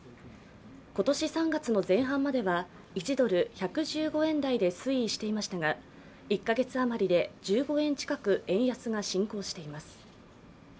今年３月の前半までは１ドル＝１１５円台で推移していましたが１カ月余りで１５円近く円安が進行しています。